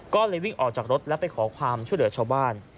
ก็เลยวิ่งออกจากรถแล้วไปขอความช่วยเหลือชาวบ้าน